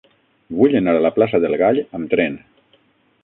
Vull anar a la plaça del Gall amb tren.